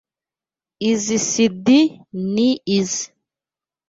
Izoi sidi ni izoe.